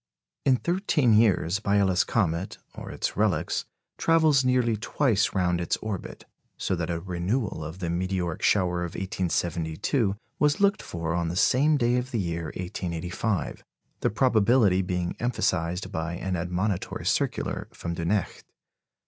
In thirteen years Biela's comet (or its relics) travels nearly twice round its orbit, so that a renewal of the meteoric shower of 1872 was looked for on the same day of the year 1885, the probability being emphasised by an admonitory circular from Dunecht.